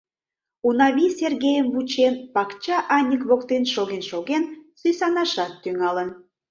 Унавий, Сергейым вучен, пакча аньык воктен шоген-шоген, сӱсанашат тӱҥалын.